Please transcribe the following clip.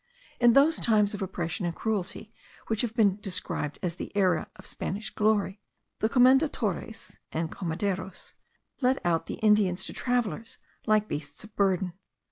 In those times of oppression and cruelty, which have been described as the era of Spanish glory, the commendatories (encomenderos) let out the Indians to travellers like beasts of burden.